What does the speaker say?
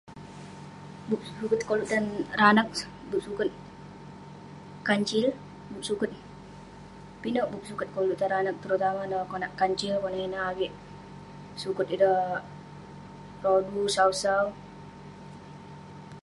bup suket koluk tan ireh anag, bup suket kancil, bup suket..pinek bup suket koluk tan ireh anag terutama neh konak kancil konak ineh avik suket ireh rodu sau sau